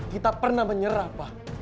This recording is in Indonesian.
kita pernah menyerah